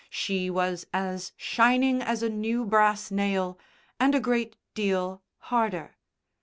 She was as shining as a new brass nail, and a great deal harder.